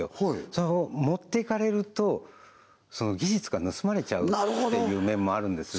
それを持っていかれるとその技術が盗まれちゃうっていう面もあるんです